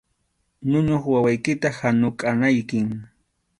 Ñuñuq wawaykita hanukʼanaykim.